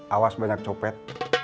awas banyak copet